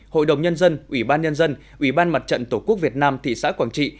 hội đồng nhân dân ủy ban nhân dân ủy ban mặt trận tổ quốc việt nam thị xã quảng trị